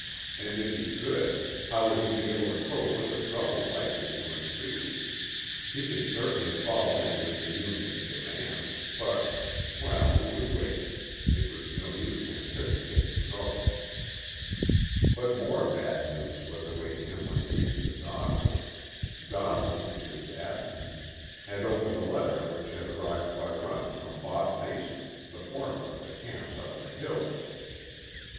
And if he could, how would he be able to cope with the trouble likely to ensue? He could certainly fall in with the Union's demands, but well, he would wait. It was no use anticipating trouble. But more bad news was awaiting him when he reached his office. Dawson, in his absence, had opened a letter which had arrived by runner from Bob Mason, the foreman of the camps up in the hills.